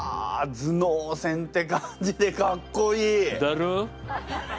頭脳戦って感じでかっこいい！だろう？